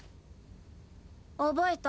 覚えた。